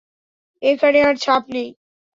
এখানে আর ছাপ নেই।